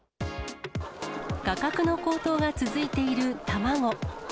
価格の高騰が続いている卵。